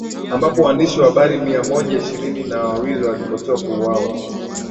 ambapo waandishi wa habari mia moja ishirini na wawili waliripotiwa kuuwawa